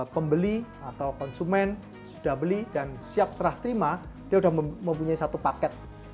pembeli atau konsumen sudah beli dan siap serah terima dia sudah mempunyai satu paket